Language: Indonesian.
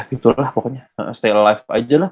stay alive aja lah